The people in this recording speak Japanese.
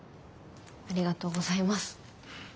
ありがとうございます。